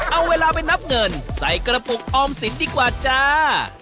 เอาเวลาไปนับเงินใส่กระปุกออมสินดีกว่าจ้า